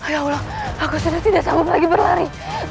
ya allah aku tidak siap berlari lagi